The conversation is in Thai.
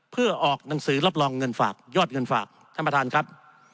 เพื่อออกหนังสือรับรองเงินฝากยอดเงินฝากท่านประธานครับ